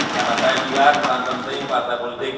karena saya lihat peran penting partai politik